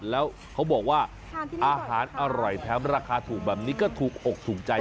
แล้วเขาบอกว่าอาหารอร่อยแถมราคาถูกแบบนี้ก็ถูกอกถูกใจ